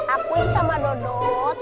aku sama dut sahabat